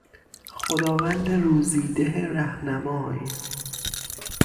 خداوند روزی ده رهنمای